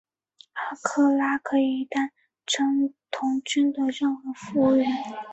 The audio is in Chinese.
阿克拉可以代称童军的任何服务员。